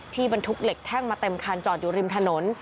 บรรทุกเหล็กแท่งมาเต็มคันจอดอยู่ริมถนน